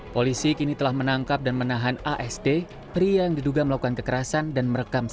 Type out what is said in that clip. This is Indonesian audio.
polisi kini telah menangkap dan menahan asd pria yang diduga melakukan kekerasan dan merekam